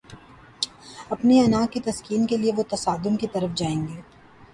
اپنی انا کی تسکین کے لیے وہ تصادم کی طرف جائیں گے۔